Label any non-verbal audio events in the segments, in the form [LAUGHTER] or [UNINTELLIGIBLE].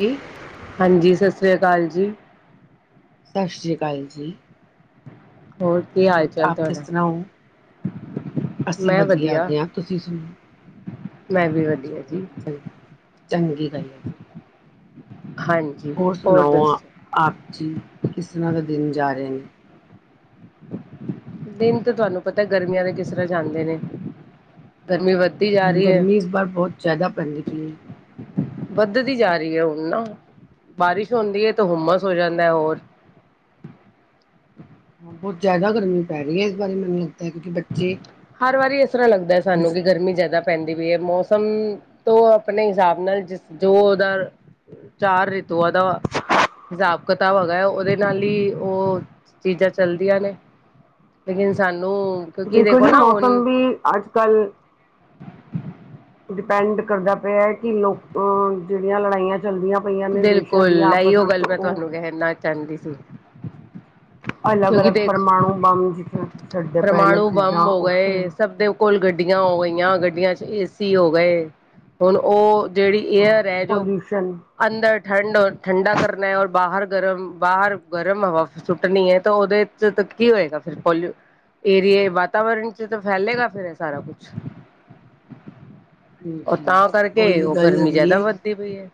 ਕਿ? ਹਾਂਜੀ, ਸਤਿ ਸ਼੍ਰੀ ਅਕਾਲ ਜੀ। ਸਤਿ ਸ਼੍ਰੀ ਅਕਾਲ ਜੀ। ਕੀ ਹਾਲ ਹੋਰ ਚਾਲ ਆਪ ਕਿਸ ਤੁਹਾਡਾ ਤਰ੍ਹਾਂ ਹੋ? ਅਸੀਂ ਵਧੀਆ ਹੈ ਗਏ ਹਾਂ, ਤੁਸੀਂ ਸੁਣਾਓ। ਮੈਂ ਵੀ ਵਧੀਆ ਚਲੋ ਜੀ ਚ, ਚੰਗੀ ਗੱਲ ਹੈ ਜੀ। ਹਾਂਜੀ, ਤੋੜ। ਔਰ ਆਪ ਜੀ ਕਿਸ ਤਰ੍ਹਾਂ ਦਾ ਦਿਨ ਜਾ ਰਿਹੇ ਨੇ। ਦਿਨ ਤਾਂ ਤੁਹਾਨੂੰ ਪਤਾ ਗਰਮੀਆਂ ਦੇ ਕਿਸ ਤਰ੍ਹਾਂ ਜਾਂਦੇ ਨੇ ਗਰਮੀ ਵਧੀ ਗਰਮੀ ਇਸ ਬਾਰ ਬਹੁਤ ਜ਼ਿਆਦਾ ਪੈਦੀ ਪਈ ਹੈ। ਵੱਧਦੀ ਜਾ ਰਹੀ ਹੈ ਹੁਣ ਨਾ, ਬਾਰਿਸ਼ ਹੁੰਦੀ ਹੈ ਤਾਂ ਹੁੰਮਸ ਹੋ ਜਾਂਦਾ ਹੋਰ। ਬਹੁਤ ਜ਼ਿਆਦਾ ਗਰਮੀ ਪੈ ਰਹੀ ਹੈ ਇਸ ਬਾਰੇ ਮੈਨੂੰ ਲਗ ਹਰ ਵਾਰੀ ਇਸ ਤਰ੍ਹਾਂ ਲੱਗਦਾ ਸਾਨੂੰ ਕਿ ਗਰਮੀ ਜ਼ਿਆਦਾ ਪੈਂਦੀ ਪਈ ਹੈ ਮੌਸਮ ਤੋਂ ਆਪਣੇ ਹਿਸਾਬ ਨਾਲ ਜਿਸ ਜੋ ਉਹਦਾ ਚਾਰ ਰੀਤੂਵਾਂ ਦਾ ਹਿਸਾਬ- ਕਿਤਾਬ ਹੋਗਾ ਹੈ ਉਹਦੇ ਨਾਲ ਹੀ ਉਹ ਚੀਜ਼ਾਂ ਚੱਲਦੀਆਂ ਨੇ। ਲੇਕਿਨ ਸਾਨੂੰ ਕਿਉਂਕਿ ਦੇਖੋ ਜੀ ਨਾ ਹੁਣ ਮੌਸਮ ਵੀ ਅੱਜ-ਕੱਲ੍ਹ ਡਿਪੈਂਡ ਕਰਦਾ ਪਿਆ ਕਿ ਲੋਕ ਜਿਹੜੀਆਂ ਲੜਾਈਆਂ ਚੱਲਦੀਆਂ ਪਈਆਂ ਨੇ ਦੇਸ਼ਾਂ ਦੀਆਂ ਆਪਸ ਵਿੱਚ ਉਹ ਕਹਿੰਦੀ ਸੀ। ਅਲਗ-ਅਲਗ ਪਰਮਣੂ ਬਮ ਜਿਤਨਾ ਪਰਮਾਣੂ ਬੰਬ ਹੋ ਗਏ ਸਭ ਦੇ ਕੋਲ ਗੱਡੀਆਂ ਹੋ ਗਈਆਂ, ਗੱਡੀਆਂ ਚ ਏਸੀ ਹੋ ਗਏ ਹੁਣ ਉਹ। ਜਿਹੜੀ ਹਾਂ ਏਅਰ ਹੈ ਜੋ ਪੋਲਿਊਸ਼ਨ ਅੰਦਰ ਠੰਡ-ਠੰਡਾ ਕਰਨਾ ਹੈ ਔਰ ਬਾਹਰ ਗਰਮ ਬਾਹਰ ਗਰਮ ਹਵਾ ਸੁੱਟਣੀ ਹੈ ਤਾਂ ਉਹਦੇ ਚਿਰ ਤਕ ਕੀ ਹੋਏਗਾ ਫਿਰ ਪੋਲੀਿਓ ਏ ਫੇਰ ਏ ਵਾਤਾਵਰਨ ਚ ਤਾਂ ਫੈਲੇਗਾ ਫੇਿਰ ਸਾਰਾ ਕੁਛ। ਉਹ ਹਾਂਜੀ ਤਾਂ ਕਰਕੇ ਉਹੀ ਉਹ ਗੱਲ ਗਰਮੀ ਹੈਗੀ ਜ਼ਿਆਦਾ ਏ ਵੱਧਦੀ ਪਈ ਹੈ।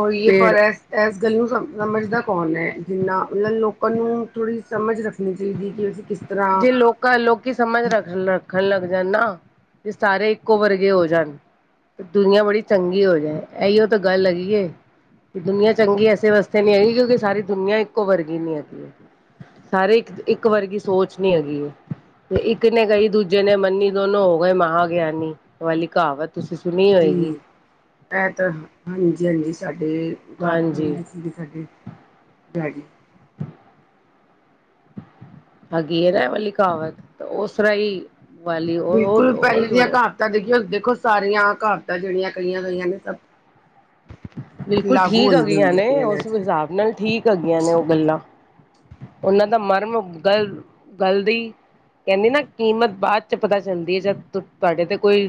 ਉਹੀ ਪਰ ਪੇੜ ਐਸ ਐਸ ਗਲ ਨੂੰ ਸਮਝਦਾ ਕੌਣ ਹੈ। ਨਾ ਉਹਨਾਂ ਲੋਕਾਂ ਨੂੰ ਥੋੜੀ ਸਮਝ ਰੱਖਣੀ ਚਾਹੀਦੀ ਕਿ ਅਸੀਂ ਕਿਸ। ਤਰ੍ਹਾਂ ਜੇ ਲੋਕ। ਲੋਕੀ ਸਮਝ ਰੱਖ ਰੱਖਣ ਲੱਗ ਜਾਣ ਨਾ ਤੇ ਸਾਰੇ ਇੱਕੋ ਵਰਗੇ ਹੋ ਜਾਣ। ਦੁਨੀਆਂ ਬੜੀ ਚੰਗੀ ਹੋ ਜਾਏ ਇਹੀਓ ਤਾਂ ਗੱਲ ਹੈਗੀ ਹੈ। ਦੁਨੀਆਂ ਚੰਗੀ ਇਸੇ ਵਾਸਤੇ ਨੀ ਹੈਗੀ ਕਿਉਂਕਿ ਸਾਰੀ ਦੁਨੀਆਂ ਇੱਕੋ ਵਰਗੀ ਨੀ ਹੈਗੀ ਹੈ। ਸਾਰੇ ਇੱਕ ਇੱਕ ਵਰਗੀ ਸੋਚ ਨੀ ਹੈਗੀ ਹੈ। ਤੇ ਇੱਕ ਨੇ ਗਈ ਦੂਜੇ ਨੇ ਮੰਨੀ ਦੋਨੋ ਹੋ ਗਏ ਮਹਾਂ ਗਿਆਨੀ ਵਾਲੀ ਕਹਾਵਤ ਤੁਸੀਂ। ਸੁਣੀ ਹੂ ਹੋਏਗੀ ਇਹ ਤਾਂ ਹਾਂਜੀ ਹਾਂਜੀ ਸਾਡੇ। ਘਰ ਹਾਂਜੀ ਬੋਲਦੇ ਸੀਗੇ ਡੈਡੀ ਹਗੀ ਹੈ ਨਾ ਏ ਵਾਲੀ ਕਹਾਵਤ ਉਸ ਰਾਈ ਵਾਲੀ ਓ ਓ ਉਹੀਓ। ਤਾਂ ਦੇਖਿਓ ਦੇਖੋ ਸਾਰੀਆਂ ਕਹਾਵਤਾਂ ਜਿਹੜੀਆਂ ਕਹੀਆਂ ਗਈਆਂ ਨੇ ਸਭ। ਬਿਲਕੁਲ ਲਾਗੂ ਠੀਕ ਹੈਗੀਆਂ ਹੁੰਦੀਆਂ ਨੇ ਪਈਆਂ ਉਸ ਅੱਜ-ਕੱਲ੍ਹ ਹਿਸਾਬ ਨਾਲ ਠੀਕ ਹੈਗੀਆਂ ਨੇ ਉਹ ਗੱਲਾਂ। ਉਹਨਾਂ ਦਾ ਮਰਮ ਗਲ ਗਲਦੀ। ਕਹਿੰਦੀ ਨਾ ਕੀਮਤ ਬਾਅਦ ਚ ਪਤਾ ਚੱਲਦੀ ਹੈ ਜਾਂ ਤੁਹਾਡੇ ਤੇ ਕੋਈ।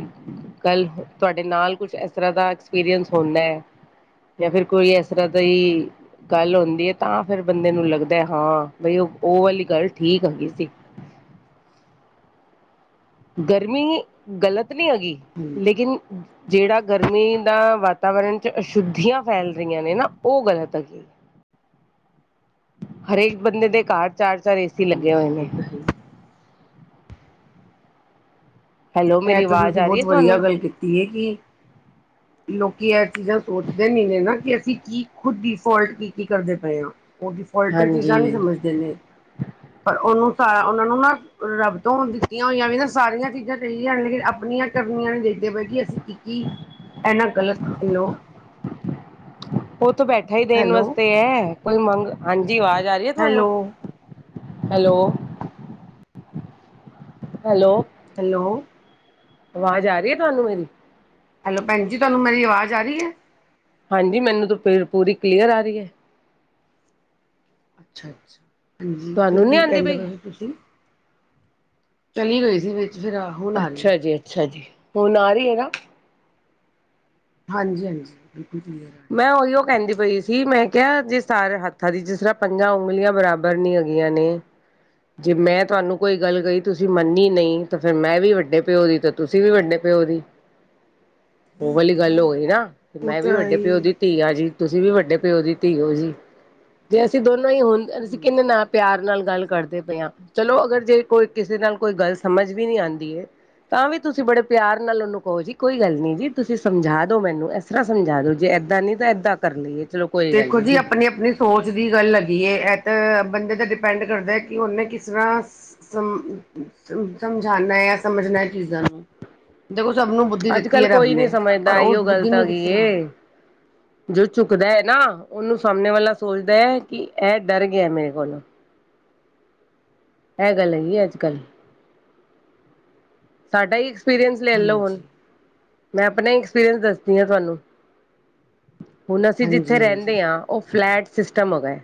ਕਲ ਤੁਹਾਡੇ ਨਾਲ ਕੁਛ ਇਸ ਤਰ੍ਹਾਂ ਦਾ ਐਕਸਪੀਰੀਅੰਸ ਹੁੰਦਾ ਹੈ। ਜਾ ਫਿਰ ਕੋਈ ਇਸ ਤਰ੍ਹਾਂ ਦਾ ਹੀ। ਗੱਲ ਹੁੰਦੀ ਹੈ ਤਾਂ ਫਿਰ ਬੰਦੇ ਨੂੰ ਲੱਗਦਾ ਹਾਂ ਬਈ ਉਹ ਉਹ ਵਾਲੀ ਗੱਲ ਠੀਕ ਹੈਗੀ ਸੀ। ਗਰਮੀ ਗਲਤ ਨਹੀਂ ਹੈਗੀ ਲੇਕਿਨ ਜਿਹੜਾ ਗਰਮੀ ਦਾ ਵਾਤਾਵਰਨ ਚ ਅਸ਼ੁੱਧੀਆਂ ਫੈਲ ਰਹੀਆਂ ਨੇ ਨਾ ਉਹ ਗ਼ਲਤ ਹੈਗੀਆਂ ਨੇ ਹਰੇਕ ਬੰਦੇ ਦੇ ਘਰ ਚਾਰ ਚਾਰ ਏਸੀ ਲੱਗੇ ਹੋਏ ਨੇ। ਹੂ [UNINTELLIGIBLE] ਹੈਲੋ, ਇਹ ਮੇਰੀ ਤਾਂ ਆਵਾਜ਼ ਤੁਸੀਂ ਆ ਰਹੀ ਹੈ ਬਹੁਤ ਵਧੀਆ ਤੁਹਾਨੂੰ? ਗੱਲ ਕੀਤੀ ਹੈ ਕਿ [INAUDIBLE] ਲੋਕੀ ਇਹ ਚੀਜ਼ਾਂ ਸੋਚਦੇ ਨੀ ਨੇ ਨਾ ਕਿ ਅਸੀਂ ਕੀ ਖੁਦ ਡੀ ਫੋਲਟ ਕੀ ਕੀ ਕਰਦੇ ਪਏ ਹਾਂ। ਉਹ ਡਿਫੋਲਟਰ ਚੀਜ਼ਾਂ ਹਾਂਜੀ। ਨਹੀਂ ਸਮਝਦੇ ਨੇ ਪਰ ਉਹਨੂੰ ਸਾਰਾ ਉਹਨਾਂ ਨੂੰ ਨਾ ਰੱਬ ਤੋਂ ਦਿੱਤੀਆਂ ਹੋਈਆਂ ਵੀ ਨਾ ਸਾਰੀਆਂ ਚੀਜ਼ਾਂ ਕਈ ਜਾਣਗੇ ਆਪਣੀਆਂ ਕਰਨੀਆਂ ਨੂੰ ਦੇਖਦੇ ਪਏ ਕਿ ਅਸੀਂ ਕੀ ਕੀ ਇਹਨਾਂ ਗਲਤ ਹੈਲੋ ਉਹ ਥਾਂ ਬੈਠਾ ਹੀ ਦੇਣ ਹੈਲੋ ਵਾਸਤੇ ਹੈ ਕੋਈ ਮੰਗ ਹਾਂਜੀ ਆਵਾਜ਼ ਆ ਰਹੀ ਹੈ ਹੈਲੋ ਤੁਹਾਨੂੰ ਹੈਲੋ ਹੈਲੋ ਹੈਲੋ ਆਵਾਜ਼ ਆ ਰਹੀ ਹੈ ਤੁਹਾਨੂੰ ਮੇਰੀ ਹੈਲੋ ਭੈਣ ਜੀ ਤੁਹਾਨੂੰ ਮੇਰੀ ਆਵਾਜ਼ ਆ ਰਹੀ ਹੈ। ਹਾਂਜੀ ਮੈਨੂੰ ਤਾਂ ਪੂਰੀ ਕਲੀਅਰ ਆ ਰਹੀ ਹੈ। ਅੱਛਾ -ਅੱਛਾ ਫਿਰ ਤੁਹਾਨੂੰ ਨੀ ਕੀ ਆਉਂਦੀ ਕਹਿੰਦੇ ਪਈ? ਵੇ ਫਿਰ ਤੁਸੀਂ ਚਲੀ ਗਈ ਸੀ ਵਿੱਚ ਫਰਾ। ਅੱਛਾ ਜੀ ਅੱਛਾ ਜੀ ਹੁਣ ਆ ਰਹੀ ਹੈਨਾ। ਹਾਂਜੀ ਹਾਂਜੀ ਬਿਲਕੁਲ ਕਲੀਅਰ ਹੈ। ਮੈਂ ਉਹੀਓ ਕਹਿੰਦੀ ਪਈ ਸੀ ਮੈਂ ਕਿਹਾ ਜੇ ਸਾਰੇ ਹੱਥਾਂ ਦੀ ਜਿਸ ਤਰ੍ਹਾਂ ਪੰਜਾਂ ਉਂਗਲੀਆਂ ਬਰਾਬਰ ਨੀ ਹੈਗੀਆਂ ਨੇ। ਜੇ ਮੈਂ ਤੁਹਾਨੂੰ ਕੋਈ ਗੱਲ ਕਹੀ ਤੁਸੀਂ ਮੰਨੀ ਨਹੀਂ ਤਾਂ ਫਿਰ ਮੈਂ ਵੀ ਵੱਡੇ ਪਿਓ ਦੀ ਤਾਂ ਤੁਸੀਂ ਵੀ ਵੱਡੇ ਪਿਓ ਦੀ। ਉਹ ਵਾਲੀ ਗੱਲ ਹੋ ਗਈ ਨਾ ਉਹ ਮੈਂ ਵੀ ਤਾਂ ਹੈ ਵੱਡੇ ਪਿਓ ਹੀ ਦੀ ਧੀ ਆ ਜੀ ਤੁਸੀਂ ਵੀ ਵੱਡੇ ਪਿਓ ਦੀ ਧੀਓ ਜੀ ਜੇ ਅਸੀਂ ਦੋਨਾਂ ਹੀ ਹੁਣ ਅਸੀਂ ਹਾਂਜੀ ਕਿੰਨੇ ਨਾ ਪਿਆਰ ਨਾਲ ਗੱਲ ਕਰਦੇ ਪਏ ਆ ਚਲੋ ਅਗਰ ਜੇ ਕੋਈ ਕਿਸੇ ਨਾਲ ਕੋਈ ਗੱਲ ਸਮਝ ਵੀ ਨੀ ਆਉਂਦੀ ਹੈ। ਤਾਂ ਵੀ ਤੁਸੀਂ ਬੜੇ ਪਿਆਰ ਨਾਲ ਉਹਨੂੰ ਕਹੋ ਜੀ ਕੋਈ ਗੱਲ ਨੀ ਜੀ ਤੁਸੀਂ ਸਮਝਾ ਦੋ ਮੈਨੂੰ ਤਰ੍ਹਾਂ ਸਮਝਾ ਦੋ ਜੇ ਏਦਾਂ ਨੀ ਤਾਂ ਏਦਾਂ ਕਰ ਲਈਏ ਚਲੋ ਕੋਈ ਗੱਲ ਦੇਖੋ ਨਹੀਂ ਜੀ ਆਪਣੇ ਆਪਣੇ ਸੋਚ ਦੀ ਗੱਲ ਹੈਗੀ ਹੈ ਇਹ ਤਾਂ ਬੰਦੇ ਤਾਂ ਡਿਪੈਂਡ ਕਰਦਾ ਕਿ ਉਹਨੇ ਕਿਸ ਤਰ੍ਹਾਂ ਸਮਝਾਉਣਾ ਆ ਸਮਝਣਾ ਇਹ ਚੀਜ਼ਾਂ ਨੂੰ ਦੇਖੋ ਸਭ ਨੂੰ ਬੁੱਧੀ ਅੱਜ ਦਿੱਤੀ ਹੈ ਕੱਲ੍ਹ ਰੱਬ ਕੋਈ ਨਹੀਂ ਨੇ ਪਰ ਸਮਝਦਾ ਉਸ ਇਹੀਓ ਗੱਲ ਬੁੱਧੀ ਤਾਂ ਨੂੰ ਕਿਸ ਹੈਗੀ ਤਰ੍ਹਾਂ ਏ ਜੋ ਝੁਕਦਾ ਹੈ ਨਾ ਉਹਨੂੰ ਸਾਹਮਣੇ ਵਾਲਾ ਸੋਚਦਾ ਹੈ ਕਿ ਇਹ ਡਰ ਗਿਆ ਮੇਰੇ ਕੋਲ ਇਹ ਗੱਲ ਹੈਗੀ ਹੈ ਅੱਜ ਕੱਲ੍ਹ। ਸਾਡਾ ਹੀ ਐਕਸਪੀਰੀਅੰਸ ਲੈ ਲਓ ਹੁਣ। ਹਾਂਜੀ ਮੈਂ ਆਪਣਾ ਐਕਸਪੀਰੀਅੰਸ ਦੱਸਦੀ ਹਾਂ ਤੁਹਾਨੂੰ ਹੁਣ ਅਸੀਂ ਹਾਂਜੀ ਜਿੱਥੇ ਹਾਂਜੀ ਰਹਿੰਦੇ ਹਾਂ। ਉਹ ਫਲੈਟ ਸਿਸਟਮ ਹੋ ਗਿਆਏ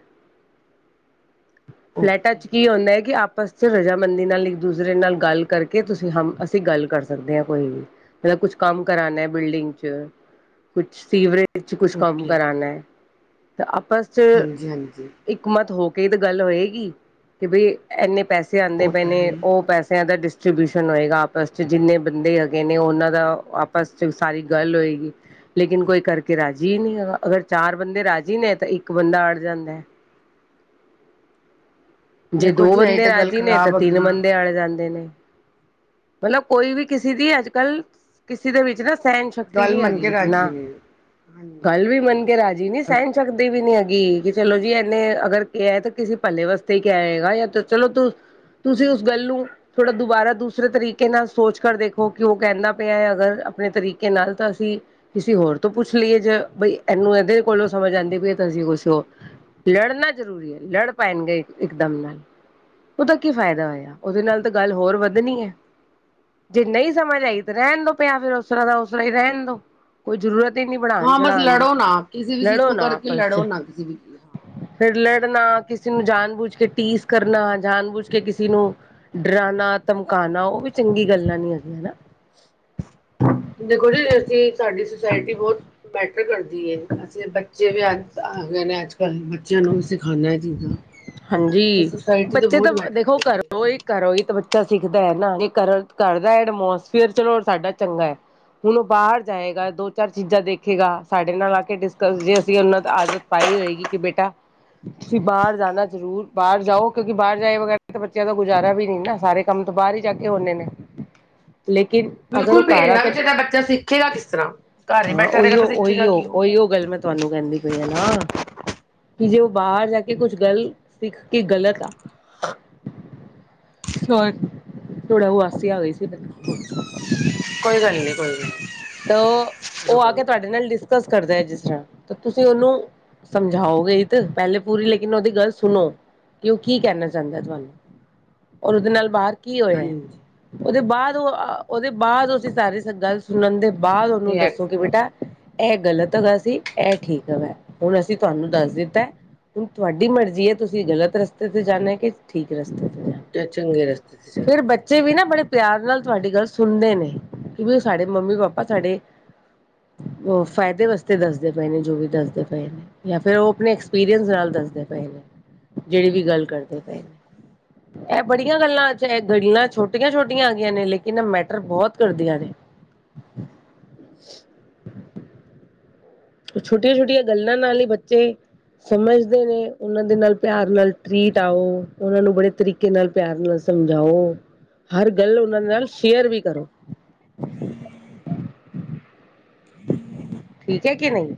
ਫਲੈਟਾਂ ਓਕੇ ਚ ਕੀ ਹੁੰਦਾ ਹੈ ਕਿ ਆਪਸ ਫਰਜਾਮੰਦੀ ਨਾਲ ਇੱਕ ਦੂਸਰੇ ਨਾਲ ਗੱਲ ਕਰਕੇ ਤੁਸੀਂ ਹੀ ਅਸੀਂ ਗੱਲ ਕਰ ਸਕਦੇ ਹਾਂ ਕੋਈ ਵੀ ਮਤਲਬ ਕੁਛ ਕੰਮ ਕਰਾਣਾ ਬਿਲਡਿੰਗ ਚ ਕੁਛ ਸੀਵਰੇਜ ਫਿਰ ' ਕੁਛ ਕੰਮ ਓਕੇ ਕਰਉਣਾ ਹੈ ਤਾਂ ਆਪਸ ਹਾਂਜੀ ਹਾਂਜੀ ਹੁਕਮਤ ਹੋ ਕੇ ਤੇ ਗੱਲ ਹੋਏਗੀ ਕਿ ਬਈ ਇੰਨੇ ਪੈਸੇ ਤੇ ਆਉਂਦੇ ਉਹ ਪਏ ਤਾਂ ਹੈ ਨੇ ਹੀ ਉਹ ਪੈਸਿਆਂ ਦਾਸ ਡਿਸਟਬਿਊਸ਼ਨ ਹੋਏਗਾ ਆਪਸ ਚਚ ਜਿੰਨੇ ਬੰਦੇ ਹੈਗੇ ਨੇ ਉਹਨਾਂ ਦਾ ਆਪਸ ਚ ਸਾਰੀ ਗੱਲ ਹੋਏਗੀ। ਲੇਕਿਨ ਕੋਈ ਕਰਕੇ ਰਾਜ਼ੀ ਨਹੀਂ ਹੈਗਾ ਅਗਰ ਚਾਰ ਬੰਦੇ ਰਾਜ਼ੀ ਨੇ ਤਾਂ ਇੱਕ ਬੰਦਾ ਅੜ ਜਾਂਦਾ ਹੈ। ਜੇ ਦੇਖੋ ਦੋ ਜੀ ਇਹੀ ਬੰਦੇ ਤਾਂ ਗੱਲ ਰਾਜੀ ਨੇ ਤਾਂ ਖ਼ਰਾਬ ਤਿੰਨ ਹੈਗੀ ਬੰਦੇ ਅਲ ਜਾਂਦੇ ਨੇ ਮਤਲਬ ਕੋਈ ਵੀ ਕਿਸੇ ਦੀ ਅੱਜ ਕੱਲ ਕਿਸੇ ਦੇ ਵਿੱਚ ਨਾ ਸਹਿਣ ਸ਼ਕਤੀ ਗੱਲ ਨੀ ਮੰਨ ਕੇ ਹੈਗੀ ਰਾਜੀ ਨਾ ਨਹੀਂ ਹਾਂਜੀ ਗੱਲ ਵੀ ਮੰਨ ਹਾਂਜੀ ਕੇ ਰਾਜੀ ਨੀ। ਸਹਿਣ ਸਕਦੇ ਵੀ ਨੀ ਹੈਗੀ ਕਿ ਚਲੋ ਜੀ ਇਹਨੇ ਅਗਰ ਕਿਹਾ ਤਾਂ ਕਿਸੇ ਭੱਲਲੇ ਵਾਸਤੇ ਹੀ ਕਿਹਾ ਹੈਗਾ ਜਾਂ ਚਲੋ ਤੂੰ ਤੁਸੀਂ ਉਸ ਗੱਲ ਨੂੰ ਥੋੜਾ ਦੁਬਾਰਾ ਦ ਦੂਸਰੇ ਤਰੀਕੇ ਨਾਲ ਸੋਚ ਕਰ ਦੇਖੋ ਕਿ ਉਹ ਕਹਿੰਦਾ ਪਿਆ ਹੈ ਅਗਰ ਆਪਣੇ ਤਰੀਕੇ ਨਾਲ ਤਾਂ ਅਸੀਂ ਕਿਸੇ ਹੋਰ ਤੋਂ ਪੁੱਛ ਲਈਏ ਜੇ ਬਈ ਇਹਨੂੰ ਇਹਦੇ ਕੋਲੋਂ ਸਮਝ ਆਉਂਦੀ ਪਈਏ ਤਾਂ ਤੁਸੀਂ ਕੁਛ ਹੋ ਲੜਨਾ ਜ਼ਰੂਰੀ ਹੈ ਲੜ ਪੈਣਗੇ ਇਕਦਮ ਨਾਲ ਉਹਦਾ ਕੀ ਫਾਇਦਾ ਹੋਇਆ ਉਹਦੇ ਨਾਲ ਤਾਂ ਗੱਲ ਹੋਰ ਵੱਧਣੀ ਹੈ। ਜੇ ਨਹੀਂ ਸਮਝ ਆਈ ਤੇ ਹਾਂਜੀ ਰਹਿਣ ਦੋ ਪਿਆ ਫੇਿਰ ਉਸ ਤਰ ਦਾ ਉਸਸਰ ਹੀ ਰਹਿਣ ਦੋ ਕੋਈ ਜ਼ਰੂਰਤ ਹੀ ਨਹੀਂੀ ਪੜਉਣ ਹਾਂ ਬਸ ਚੜ੍ਹਾਉਣ ਦੀ ਲੜੋ ਨਾ ਕਿਸੇ ਵੀ ਚੀਜ਼ ਲੜੋ ਕੋ ਨਾ ਕਰਕੇ ਆਪਸ ਲੜੋ ਚ ਨਾ ਕਿਸੇ ਵੀ ਫਿਰ ਲੜਨਾ ਕਿਸੇ ਨੂੰ ਜਾਨ ਬੂਝ ਕੇ ਟੀਸ ਕਰਨਾ ਜਾਨ ਬੂਝ ਕੇ ਕਿਸੇ ਨੂੰ ਡਰਾਣਾ ਧਮਕਾਉਣਾ ਉਹ ਵੀ ਚੰਗੀ ਗੱਲਾਂ ਨਹੀਂੀ ਹੈਗੀਆਂ ਹਨ। ਦੇਖੋ ਜੀ ਅਸੀਂ ਸਾਡੀ ਸੁਸਾਇਟੀ ਬਹੁਤ ਮੈਟਰ ਕਰਦੀ ਹੈ ਅਸੀਂ ਬੱਚੇ ਵੀ ਅੱਜ ਆ ਗਏ ਨੇ ਅੱਜ ਕੱਲ੍ਹ ਬੱਚਿਆਂ ਨੂੰ ਵੀ ਸਿਖਾਉਦਾ ਇਹ ਚੀਜ਼ਾਂ ਤਾਂ ਹਾਂਜੀ ਸੁਸਾਇਟੀ ਬੱਚੇ ਤਾਂ ਬਹੁਤ ਮੈਟਰ ਦੇਖੋ ਘਰ ਕਰਦੀ ਹੈ ਉਹ ਇਹ ਕਰੋ ਇਹ ਤਾਂ ਬੱਚਾ ਸਿੱਖਦਾ ਹੈ ਨਾ ਇਹ ਕਰ ਕਰਦਾ ਹੈ ਐਡਮੋਸਫੀਅਰ ਚਲੋ ਸਾਡਾ ਚੰਗਾ ਹੈ। ਹੁਣ ਉਹ ਬਾਹਰ ਜਾਏਗਾ ਦੋ ਚਾਰ ਚੀਜ਼ਾਂ ਦੇਖੇਗਾ ਸਾਡੇ ਨਾਲ ਆ ਕੇ ਡਿਸਕਸ ਜੇ ਅਸੀਂ ਉਹਨਾਂ ਦੀ ਆਦਤ ਪਾਈ ਹੋਏਗੀ ਕਿ ਬੇਟਾ ਤੁਸੀਂ ਬਾਅਦ ਜ਼ਦਾ ਜ਼ਰੂਰ ਬਾਹਰ ਜਾਓ ਕਿਉਂਕਿ ਬਾਹਰ ਜਾਏ ਵਗੈਰਾ ਤੇ ਬੱਚਿਆਂ ਦਾ ਗੁਜ਼ਾਰਾ ਵੀ ਨੀ ਨਾ ਸਾਰੇ ਕੰਮ ਤੋਂ ਬਾਹਰ ਹੀ ਜਾ ਕੇ ਹੁੰਦੇ ਨੇ। ਲੇਕਿਨ ਅਗਰ ਉਹ ਬਿਲਕੁਲ ਘਰ ਆ ਭੇਜਨਾ ਕੇ ਵੀ ਚਾਦਾ ਬੱਚਾ ਸਿੱਖੇਗਾ ਕਿਸ ਤਰ੍ਹਾਂ ਘਰ ਹੀ ਬੈਠਾ ਰਹੇਗਾ ਤਾਂ ਸਿੱਖੇਗਾ ਕਿ ਉਹ। ਉਹ ਗੱਲ ਮੈਂ ਤੁਹਾਨੂੰ ਕਹਿੰਦੀ ਪਈ ਆ ਨਾ ਕਿ ਜੇ ਉਹ ਬਾਹਰ ਜਾ ਕੇ ਕੁਛ ਗੱਲ ਹਾਂਜੀ ਹਾਂਜੀ ਸਿੱਖ ਕੀ ਗਲਤ ਆ। ਥੋੜਾ ਹਾਸੀ ਆ ਗਈ ਸੀ। ਕੋਈ ਗੱਲ ਨਹੀਂ ਕੋਈ ਗੱਲ ਨਹੀਂ ਤੇ ਕਰੋ ਉਹ ਆ ਕਰੋ ਕੇ ਗੱਲ ਤੁਹਾਡੇ ਨਾਲ ਕਰਦਾ ਜਿਸ ਤਰ੍ਹਾਂ ਤੁਸੀਂ ਉਹਨੂੰ ਸਮਝਾਓਗੇ ਤੇ ਪਹਿਲੇ ਪੂਰੀ ਲ ਉਹਦੀ ਗੱਲ ਸੁਣੋ ਕਿ ਉਹ ਕੀ ਕਹਿਣਾ ਚਾਹੁੰਦਾ ਤੁਹਾਨੂੰ ਔਰ ਉਹਦੇ ਨਾਲ ਬਾਹਰ ਕੀ ਹੋਇਆ ਹਾਂਜੀ ਉਹਦੇ ਬਾਅਦ ਉਹ ਉਹਦੇ ਬਾਅਦ ਅਂ ਸਾਰੀ ਗੱਲ ਸੁਣਨ ਦੇ ਬਾਅਦ ਉਹਨੂੰ ਰਿਐਕਟ ਦੱਸੋ ਕਿ ਕਰੋ ਬੇਟਾ ਇਹ ਗ਼ਲਤ ਹੈਗਾ ਸੀ ਇਹ ਠੀਕ ਹੈਗਾ ਹੁਣ ਅਸੀਂ ਤੁਹਾਨੂੰ ਦੱਸ ਦਿੱਤਾ। ਹੁਣ ਤੁਹਾਡੀ ਮਰਜ਼ੀ ਹੈ ਤੁਸੀਂ ਗਲਤ ਰਸਤੇ 'ਤੇ ਜਾਂਦੇ ਕਿ ਠੀਕ ਰਸਤੇ 'ਤੇ ਜਾਣਾ। ਚੰਗੇ ਰਸਤੇ ਤੇ ਚੱਲਣੇ ੇ ਵੀ ਨਾ ਬੜੇ ਪਿਆਰ ਨਾਲ ਤੁਹਾਡੀ ਗੱਲ ਸੁਣਦੇ ਨੇ ਕਿਕ ਸਾਡੇ ਮੰਮੀ ਪਾਪਾ ਸਾਡੇ ਉਹ ਫਾਇਦੇ ਵਾਸਤੇ ਦੱਸਦੇ ਪਏ ਨੇ ਜੋ ਵੀ ਦੱਸਦੇ ਪਏ ਨੇ। ਜਾਂ ਫਿਰ ਉਹ ਆਪਣੇ ਐਕਸਪੀਰੀੰਸ ਨਾਲ ਦੱਸਦੇ ਪਏ ਨੇ ਜਿਹੜੀ ਵੀ ਗੱਲ ਕਰਦੇ ਪਏ ਨੇ। [UNINTELLIGIBLE] ਇਹ ਬੜੀਆਂ ਗੱਲਾਂ ਅੱਜ ਇਹ ਗਲਾਂ ਛੋਟੀਆਂ ਛੋਟੀਆਂ ਆਗੀਆਂ ਨੇ ਲੇਕਿਨ ਇਹ ਮੈਟਰ ਬਹੁਤ ਕਰਦੀਆਂ ਨੇ। ਛੋਟੀਆਂ ਛੋਟੀਆਂ ਗੱਲਾਂ ਨਾਲ ਹੀ ਬੱਚੇ। ਸਮਝਦੇ ਨੇ ਉਹਨਾਂ ਦੇ ਨਾਲ ਪਿਆਰ ਨਾਲ ਟਰੀਟ ਆਓ ਉਹਨਾਂ ਨੂੰ ਬੜੇ ਤਰੀਕੇ। ਕੇ ਨਾਲ ਪਿਆਰ ਨਾਲ ਸਮਝਾਓ ਹਰ ਗੱਲ ਉਹਨਾਂ ਦੇ ਨਾਲ ਸ਼ੇਅਰ ਵੀ ਕਰੋ। ਠੀਕ ਹੈ ਕਿ ਨਹੀਂ।